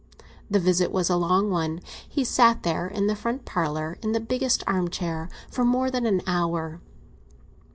The visit was a long one; he sat there—in the front parlour, in the biggest armchair—for more than an hour.